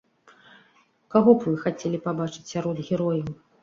Каго б вы хацелі пабачыць сярод герояў?